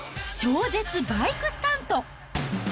超絶バイクスタント！